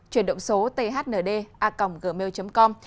truyền động số thnda gmail com